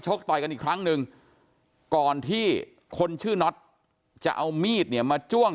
ต่อยกันอีกครั้งหนึ่งก่อนที่คนชื่อน็อตจะเอามีดเนี่ยมาจ้วง